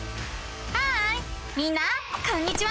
ハーイみんなこんにちは！